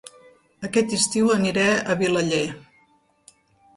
Aquest estiu aniré a Vilaller